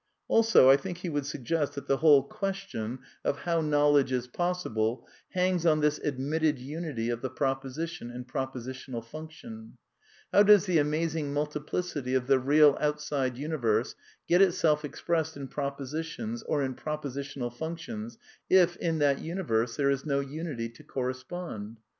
Also, I think he would suggest that the whole question of 208 A DEFENCE OF IDEALISM how Knowledge is possible hangs on this admitted unity of the proposition and propositional function. How does the amazing multiplicity of the real outside universe get itself expressed in propositions or in propositional func I tions, if, in that universe, there is no unity to correspond